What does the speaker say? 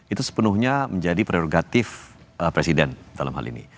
itu sepenuhnya menjadi prerogatif presiden dalam hal ini